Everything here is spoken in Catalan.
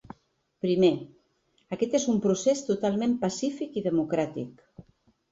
Primer: Aquest és un procés totalment pacífic i democràtic.